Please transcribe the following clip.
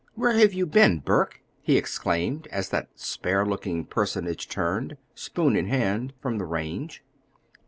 "Where have you been, Burke?" he exclaimed as that spare looking personage turned, spoon in hand, from the range.